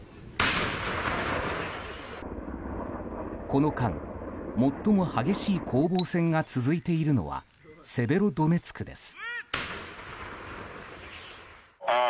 この間、最も激しい攻防戦が続いているのはセベロドネツクです。